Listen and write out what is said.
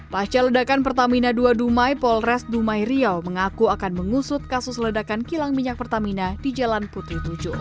pasca ledakan pertamina ii dumai polres dumai riau mengaku akan mengusut kasus ledakan kilang minyak pertamina di jalan putih tujuh